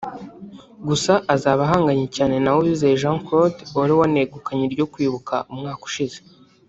Gusa azaba ahanganye cyane na Uwizeye Jean Claude wari wanegukanye iryo kwibuka umwaka ushize